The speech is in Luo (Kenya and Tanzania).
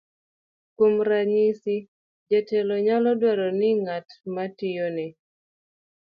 kuom ranyisi, jatelo nyalo dwaro ni ng'at ma tiyone